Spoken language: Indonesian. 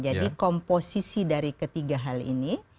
jadi posisi dari ketiga hal ini